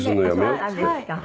そうなんですか。